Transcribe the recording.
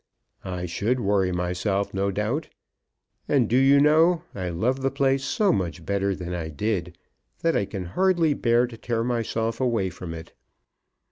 "I should worry myself, no doubt. And do you know, I love the place so much better than I did, that I can hardly bear to tear myself away from it.